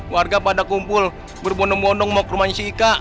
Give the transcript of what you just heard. warga pada kumpul berbondong bondong mau ke rumahnya si ika